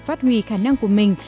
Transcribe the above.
phát huy khả năng của mình